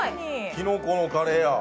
きのこのカレーや。